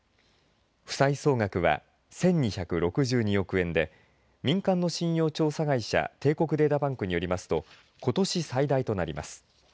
負債総額は１２６２億円で民間の信用調査会社帝国データバンクによりますとことし最大となります。